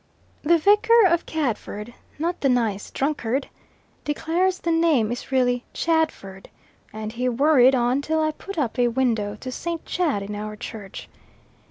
"The vicar of Cadford not the nice drunkard declares the name is really 'Chadford,' and he worried on till I put up a window to St. Chad in our church.